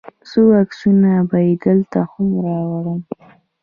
څو عکسونه به یې دلته هم راوړم.